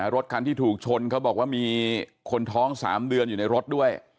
รถคันที่ถูกชนเขาบอกว่ามีคนท้อง๓เดือนอยู่ในรถด้วย